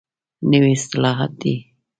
نوي اصطلاحات دي.